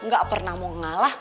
gak pernah mau ngalah